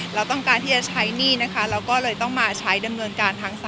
เราต้องการที่จะใช้หนี้นะคะเราก็เลยต้องมาใช้ดำเนินการทางสาร